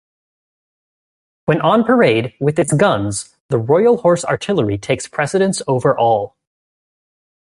When on parade with its guns, the Royal Horse Artillery takes precedence over all.